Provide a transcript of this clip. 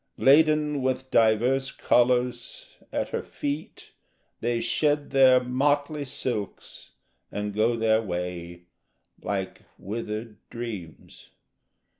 Laden with divers colours, at her feet They shed their motley silks and go their way Like withered dreams.